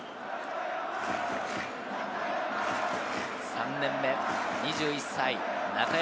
３年目、２１歳、中山